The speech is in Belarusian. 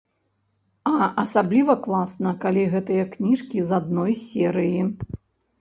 А асабліва класна, калі гэтыя кніжкі з адной серыі.